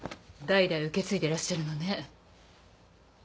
代々受け継いでらっしゃるのね。